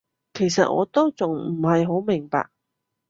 其實我都仲唔係好明白